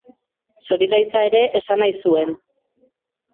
Zorigaitza ere esan nahi zuen.